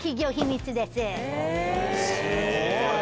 すごい。